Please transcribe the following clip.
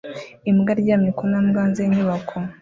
Imbwa aryamye ku ntambwe hanze y'inyubako